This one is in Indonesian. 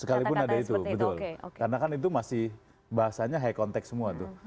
sekalipun ada itu betul karena kan itu masih bahasanya high contact semua tuh